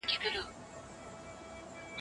فرهنګي کمیسیون کومي چاري پرمخ وړي؟